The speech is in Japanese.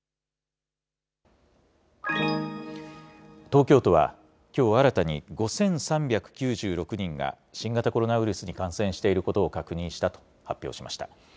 東京都は、きょう新たに５３９６人が、新型コロナウイルスに感染していることを確認したと発表しました。